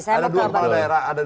ada dua kepala daerah